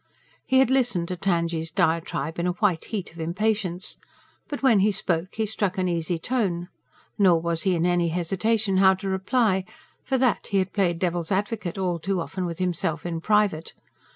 He had listened to Tangye's diatribe in a white heat of impatience. But when he spoke he struck an easy tone nor was he in any hesitation how to reply: for that, he had played devil's advocate all too often with himself in private.